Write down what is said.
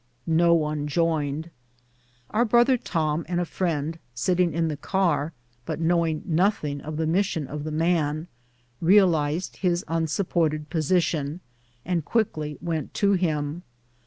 No one joined. Our brother Tom and a friend, sitting in the car, but knowing noth ing of the mission of the man, realized his unsupported position, and quickly went to him.